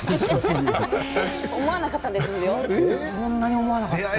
そんなに思わなかったんですよ。